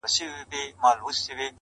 داسي ورځ به راسي چي رویبار به درغلی وي -